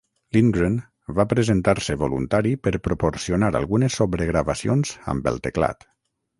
Lindgren va presentar-se voluntari per proporcionar algunes sobregravacions amb el teclat.